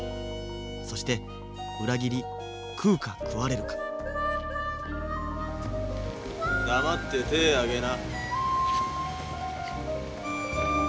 そして裏切り食うか食われるか黙って手上げな。